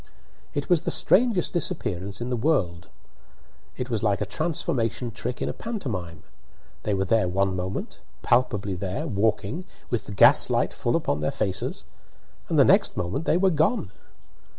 It was the strangest disappearance in the world; It was like a transformation trick in a pantomime. They were there one moment, palpably there, walking, with the gaslight full upon their faces, and the next moment they were gone.